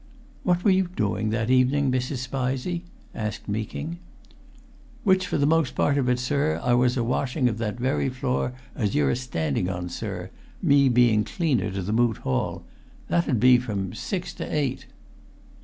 "What were you doing that evening, Mrs. Spizey?" asked Meeking. "Which for the most part of it, sir, I was a washing of that very floor as you're a standing on, sir, me being cleaner to the Moot Hall. That 'ud be from six to eight."